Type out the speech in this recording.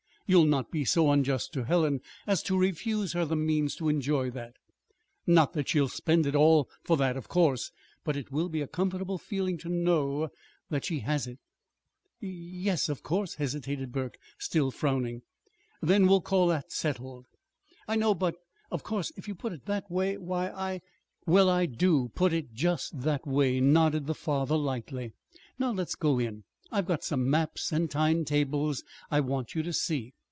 You'll not be so unjust to Helen as to refuse her the means to enjoy that! not that she'll spend it all for that, of course. But it will be a comfortable feeling to know that she has it." "Y yes, of course," hesitated Burke, still frowning. "Then we'll call that settled." "I know; but Of course if you put it that way, why, I " "Well, I do put it just that way," nodded the father lightly. "Now, let's go in. I've got some maps and time tables I want you to see.